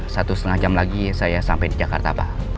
satu setengah jam lagi saya sampai di jakarta pak